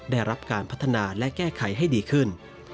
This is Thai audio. ได้รับการพัฒนาและแก้ไขให้ดีขึ้น